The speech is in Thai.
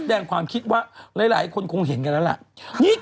ทาเข้าไปเลยนะคะทุกคนทาได้นะคะแม้กระทั่ง